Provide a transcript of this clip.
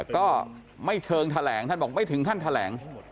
ก็ไม่เชิงแถลงท่านบอกไม่ถึงขั้นแถลง